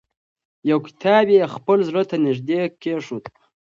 یو کتاب یې خپل زړه ته نږدې کېښود.